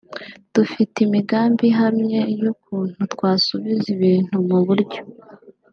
Dufite imigambi ihamye y’ukuntu twasubiza ibintu mu buryo